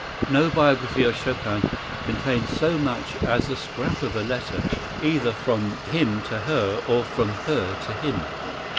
No biography of Chopin contains so much as the scrap of a letter either from him to her, or from her to him.